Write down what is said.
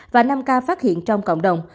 và năm ca phát hiện trong cộng đồng